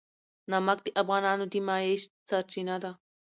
نمک د افغانانو د معیشت سرچینه ده.